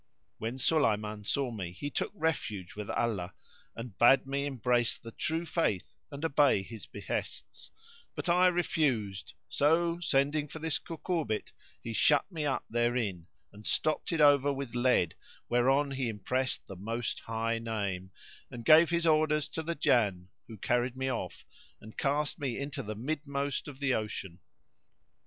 When Sulayman saw me, he took refuge with Allah and bade me embrace the True Faith and obey his behests; but I refused, so sending for this cucurbit[FN#72] he shut me up therein, and stopped it over with lead whereon he impressed the Most High Name, and gave his orders to the Jann who carried me off, and cast me into the midmost of the ocean.